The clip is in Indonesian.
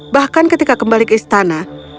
bahkan ketika kembali ke istana terdengar suara